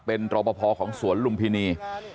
เป็นรอปภของสวนลุมพินี